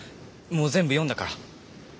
もう全部読んだから。